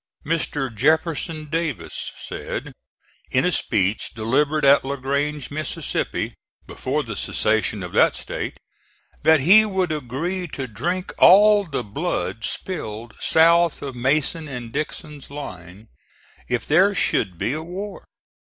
Mr. Jefferson Davis said in a speech, delivered at La Grange, Mississippi, before the secession of that State, that he would agree to drink all the blood spilled south of Mason and Dixon's line if there should be a war.